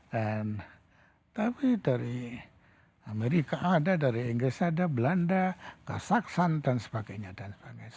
dan tapi dari amerika ada dari inggris ada belanda kasaksan dan sebagainya dan sebagainya